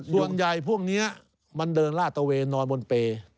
ส่วนใหญ่พวกนี้มันเดินลาดตะเวนนอนบนเปรย์